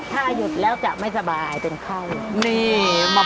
ถ้าหยุดแล้วจะไม่สบายเป็นข้าวหยุด